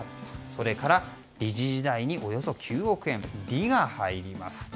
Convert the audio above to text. それから理事時代におよそ９億円の「リ」が入ります。